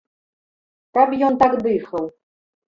Каб ён так дыхаў!